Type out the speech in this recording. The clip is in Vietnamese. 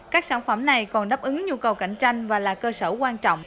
các sản phẩm này còn đáp ứng nhu cầu cạnh tranh và là cơ sở quan trọng